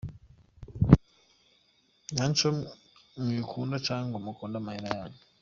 Yaco mwikunda canke ngo mukunde amahera yanyu.